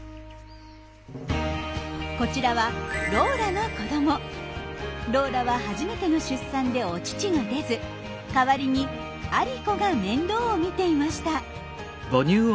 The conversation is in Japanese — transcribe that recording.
こちらはローラは初めての出産でお乳が出ず代わりにアリコが面倒を見ていました。